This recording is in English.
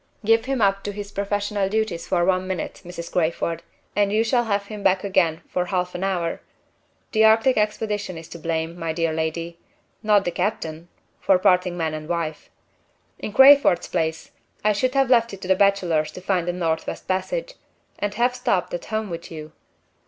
"Give him up to his professional duties for one minute, Mrs. Crayford, and you shall have him back again for half an hour. The Arctic expedition is to blame, my dear lady not the captain for parting man and wife. In Crayford's place, I should have left it to the bachelors to find the Northwest Passage, and have stopped at home with you!"